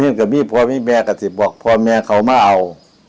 นี่ก็มี่พ่อมี่แม่ก็สิบบอกพ่อแม่เขามาเอา